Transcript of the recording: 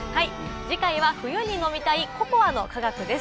次回は冬に飲みたいココアの科学です。